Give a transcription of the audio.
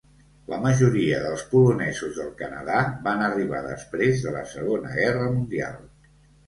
La majoria dels polonesos del Canadà van arribar després de la Segona Guerra Mundial.